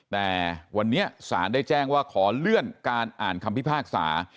แต่วันนี้ศาลได้แจ้งว่าขอเลื่อนการอ่านคำพิพากษา